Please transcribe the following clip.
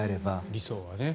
理想はね。